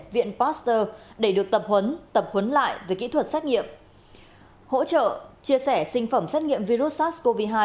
viện pasteur để được tập huấn tập huấn lại về kỹ thuật xét nghiệm hỗ trợ chia sẻ sinh phẩm xét nghiệm virus sars cov hai